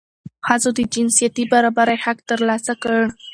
ښځو د جنسیتي برابرۍ حق ترلاسه کړ.